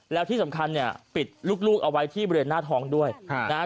แล้วที่สำคัญเนี่ยปิดลูกเอาไว้ที่บริเวณหน้าท้องด้วยนะฮะ